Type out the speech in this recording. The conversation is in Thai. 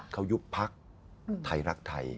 เขายุบพักไทยรักไทย